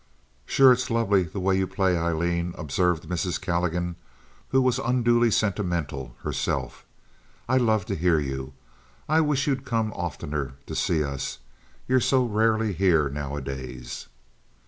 "Sure, it's lovely the way you play, Aileen," observed Mrs. Calligan who was unduly sentimental herself. "I love to hear you. I wish you'd come oftener to see us. You're so rarely here nowadays."